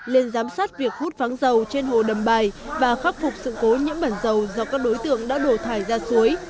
lên giám sát việc hút vắng dầu trên hồ đầm bài và khắc phục sự cố nhiễm bản dầu do các đối tượng đã đổ thải ra suối